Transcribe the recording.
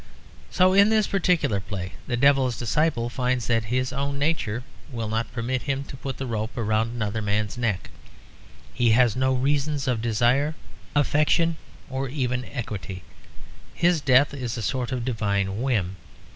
So in this particular play the Devil's Disciple finds that his own nature will not permit him to put the rope around another man's neck; he has no reasons of desire, affection, or even equity; his death is a sort of divine whim.